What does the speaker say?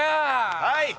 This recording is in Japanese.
はい！